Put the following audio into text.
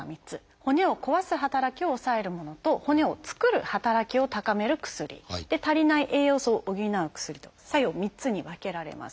骨を壊す働きを抑えるものと骨を作る働きを高める薬足りない栄養素を補う薬と作用３つに分けられます。